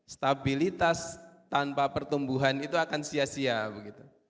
stabilitas tanpa pertumbuhan itu akan sia sia begitu